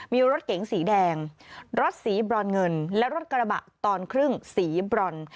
มีรถเก๋งสีแดงรถสีบรอนเงินและรถกระบะตอนครึ่งสีบรอน